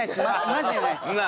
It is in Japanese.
マジでないです。